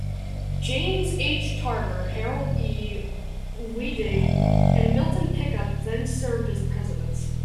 James H. Tabor, Harold E. Weidig, and Milton Pickup then served as presidents.